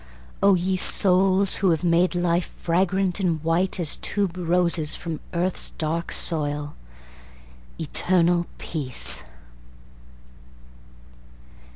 Oh, ye souls who have made life Fragrant and white as tube roses From earth's dark soil, Eternal peace!